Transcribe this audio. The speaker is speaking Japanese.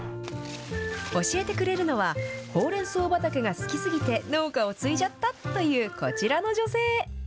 教えてくれるのは、ほうれんそう畑が好きすぎて、農家を継いじゃったという、こちらの女性。